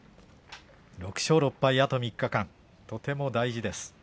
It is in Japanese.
６勝６敗、あと３日間とても大事です。